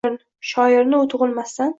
Shoirni u tug’ilmasdan